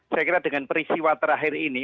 saya kira dengan peristiwa terakhir ini